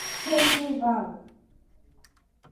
د چرګو غل.